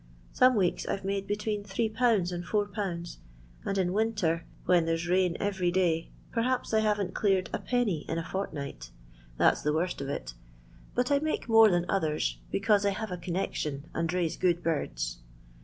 Bono weeks I 've made between 8/. and iL, and in winter, when there 's rain every day, perhaps I haven't cleared a penny in a fortnight That 's the worst of it. But I make more than others because I have a connection and raise good birds.